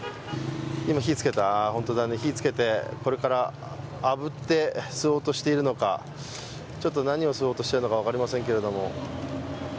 今、火つけて、これからあぶって吸おうとしているのか、ちょっと何を吸おうとしているのか分かりませんけど。